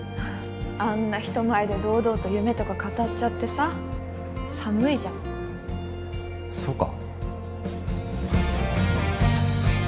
あんな人前で堂々と夢とか語っちゃってさ寒いじゃんそうか？